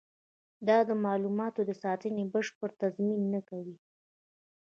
دا د معلوماتو د ساتنې بشپړ تضمین نه کوي.